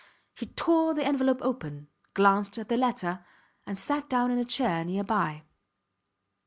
He tore the envelope open, glanced at the letter, and sat down in a chair near by.